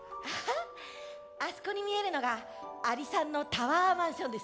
あそこに見えるのがアリさんのタワーマンションです。